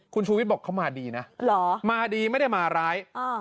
คุณชูวิทย์บอกเขามาดีนะมาดีไม่ได้มาร้าย